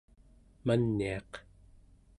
maniaq